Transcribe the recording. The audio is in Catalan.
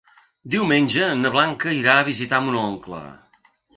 Diumenge na Blanca irà a visitar mon oncle.